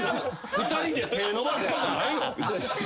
２人で手伸ばすことないよ。